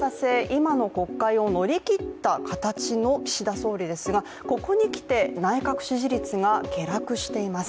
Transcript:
今の国会を乗り切った形の岸田総理ですがここに来て、内閣支持率が下落しています。